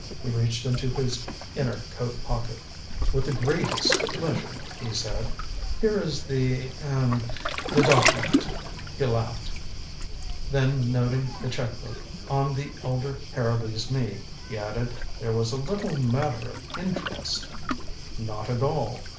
He reached into his inner coat pocket. "With the greatest pleasure," he said. "Here is the er the document." He laughed. Then, noting the check book on the elder Harrowby's knee, he added: "There was a little matter of interest " "Not at all!"